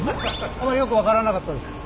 よく分からなかったですか？